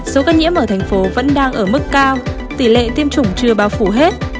số ca nhiễm ở thành phố vẫn đang ở mức cao tỷ lệ tiêm chủng chưa bao phủ hết